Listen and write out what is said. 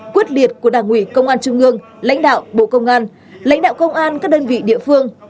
quyết liệt của đảng ủy công an trung ương lãnh đạo bộ công an lãnh đạo công an các đơn vị địa phương